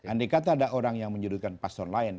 andi kata ada orang yang menyebutkan paslon lain